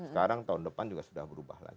sekarang tahun depan juga sudah berubah lagi